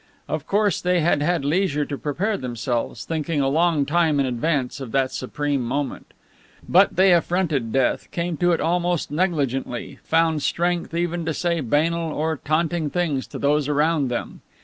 Of course, they had had leisure to prepare themselves, thinking a long time in advance of that supreme moment. But they affronted death, came to it almost negligently, found strength even to say banal or taunting things to those around them.